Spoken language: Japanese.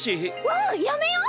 うんやめよう！